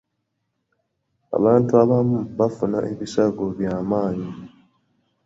Abantu abamu bafuna ebisago by'amaanyi.